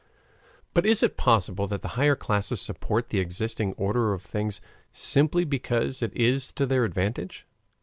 But is it possible that the higher classes support the existing order of things simply because it is to their advantage?